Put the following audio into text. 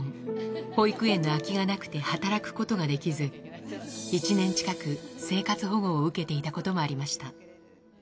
保育園の空きがなくて働くことができず、１年近く、生活保護を受けていたこともありました。